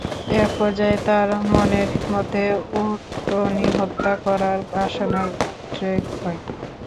এক পর্যায়ে তার মনের মধ্যে উটনী হত্যা করার বাসনার উদ্রেক হয়।